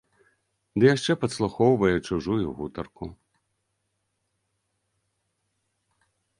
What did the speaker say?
Ды яшчэ падслухоўвае чужую гутарку!